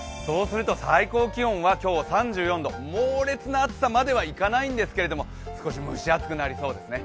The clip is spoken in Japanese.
最高気温は今日３４度猛烈な暑さまではいかないんですけれども、少し蒸し暑くなりそうですね。